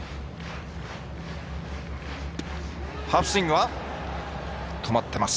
ファーストスイングは止まっています。